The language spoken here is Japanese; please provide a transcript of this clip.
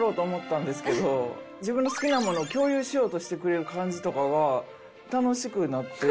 自分の好きなものを共有しようとしてくれる感じとかが楽しくなって。